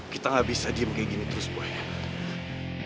kita gak bisa diem kayak gini terus buaya